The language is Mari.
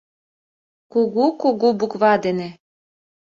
Кугу-кугу буква дене.